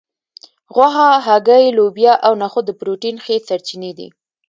غوښه هګۍ لوبیا او نخود د پروټین ښې سرچینې دي